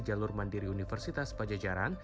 jalur mandiri universitas pajajaran